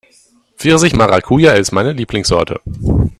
Pfirsich-Maracuja ist meine Lieblingssorte